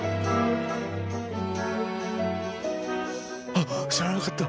あっ知らなかった！